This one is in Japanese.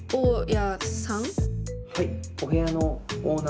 はい。